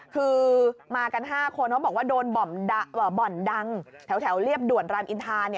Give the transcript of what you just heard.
คือมากัน๕คนเขาบอกว่าโดนบ่อนดังแถวเรียบด่วนรามอินทา